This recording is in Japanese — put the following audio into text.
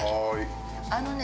あのね